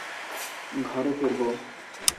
ঘরে ফিরব।